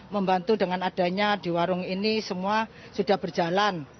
membantu dengan adanya di warung ini semua sudah berjalan